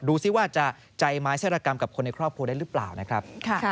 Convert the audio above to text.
ซิว่าจะใจไม้เชรกรรมกับคนในครอบครัวได้หรือเปล่านะครับ